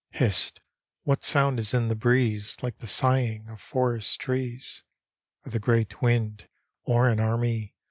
Hist! what sound is in the breeze Like the sighing of forest trees? Or the great wind, or an army.